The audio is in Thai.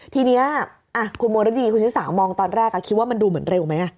ทีนี้คุณมรดีคุณชิสามองตอนแรกคิดว่ามันดูเหมือนเร็วไหม